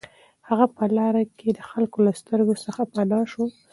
هغه په لاره کې د خلکو له سترګو څخه پناه شو